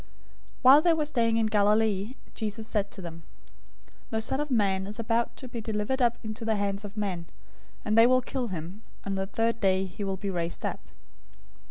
017:022 While they were staying in Galilee, Jesus said to them, "The Son of Man is about to be delivered up into the hands of men, 017:023 and they will kill him, and the third day he will be raised up."